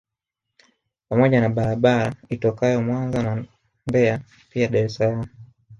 Pamoja na barabara itokayo Mwanza na Mbeya pia Dar es Salaam